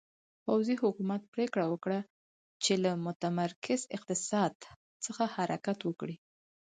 پوځي حکومت پرېکړه وکړه چې له متمرکز اقتصاد څخه حرکت وکړي.